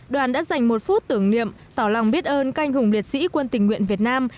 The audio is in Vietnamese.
đoàn đã dành một phút tưởng niệm tỏ lòng biết ơn canh hùng liệt sĩ quân tình nguyện việt nam